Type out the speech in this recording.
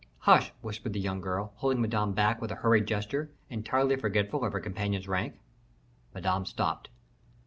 "Hush!" whispered the young girl, holding Madame back with a hurried gesture, entirely forgetful of her companion's rank. Madame stopped.